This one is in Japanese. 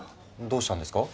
どうしたんですか？